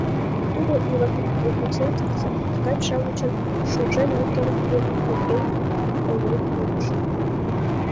Тудо Иваново-Вознесенскысе ткач-шамычын шужен-йӧсланен илымышт нерген ойлен пуыш.